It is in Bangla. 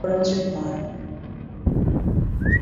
তাদের ঠিক করা উচিত নয়।